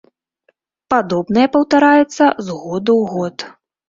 Падобнае паўтараецца з году ў год.